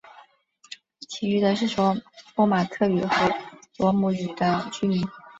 其余的是说波马克语和罗姆语的居民。